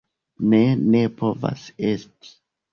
Ne, ne povas esti!